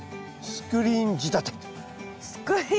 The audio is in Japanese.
スクリーン仕立て。